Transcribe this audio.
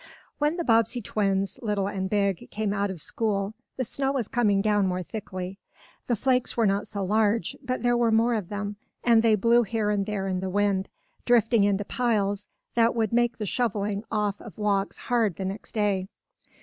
When the Bobbsey twins, little and big, came out of school the snow was coming down more thickly. The flakes were not so large, but there were more of them, and they blew here and there in the wind, drifting into piles that would make the shoveling off of walks hard the next day.